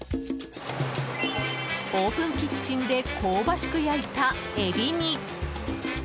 オープンキッチンで香ばしく焼いたエビに。